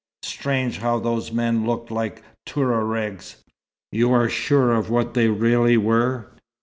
Strange how those men looked like Touaregs! You are sure of what they really were?"